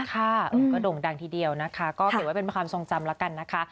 ค่ะก็โด่งดังทีเดียวนะคะก็ถือว่าเป็นความทรงจำแล้วกันนะคะ